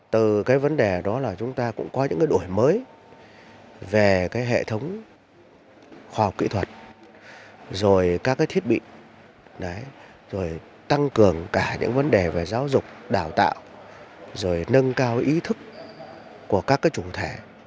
từ cái vấn đề đó là chúng ta cũng có những đổi mới về cái hệ thống khoa học kỹ thuật rồi các cái thiết bị rồi tăng cường cả những vấn đề về giáo dục đào tạo rồi nâng cao ý thức của các chủ thể